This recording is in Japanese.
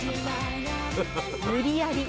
無理やり。